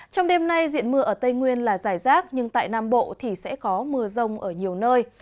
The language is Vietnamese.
trong đêm nay diện mưa ở tây nguyên là giải rác nhưng tại nam bộ thì sẽ có mưa rông ở nhiều nơi